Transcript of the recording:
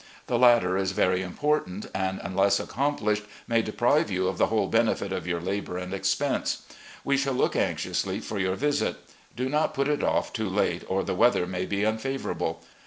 The latter is very important and unless accomplished may deprive you of the whole benefit of your labour and MRS. R. E. LEE 3*9 expense. We shall look anxiously for your visit. Do not put it off too late or the weather may be unfavourable.